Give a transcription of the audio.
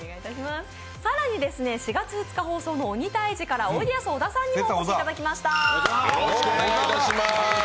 更に、４月２日放送の「鬼タイジ」からおいでやす小田さんにもお越しいただきました。